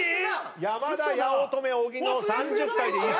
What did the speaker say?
山田八乙女小木３０回で一緒。